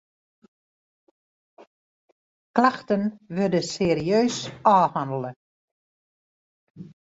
Klachten wurde serieus ôfhannele.